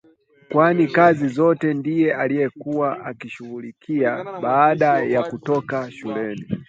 kwani kazi zote ndiye alikuwa akishughulikia baada ya kutoka shule